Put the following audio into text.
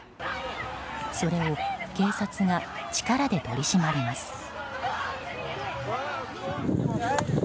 それを警察が力で取り締まります。